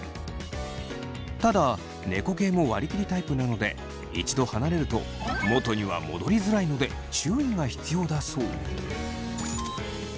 ただ猫系も割り切りタイプなので一度離れると元には戻りづらいので注意が必要だそう。